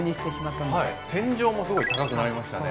天井もすごい高くなりましたね。